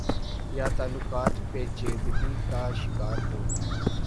یا تعلقات پیچیدگی کا شکار ہوں۔۔